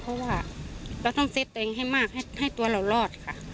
เพราะว่าเราต้องเซฟตัวเองให้มากให้ตัวเรารอดค่ะ